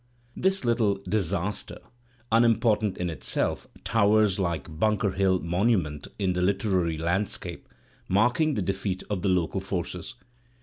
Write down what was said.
This Uttle "disaster," unimportant in itself, towers like Bunker Hill monument in the Uterary landscape, marking the defeat of the local forces.